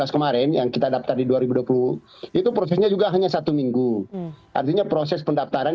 kemarin yang kita daftar di dua ribu dua puluh itu prosesnya juga hanya satu minggu artinya proses pendaftaran